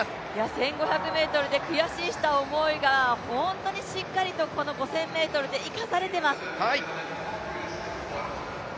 １５００ｍでした悔しい思いが本当にこの５０００ｍで生かされています。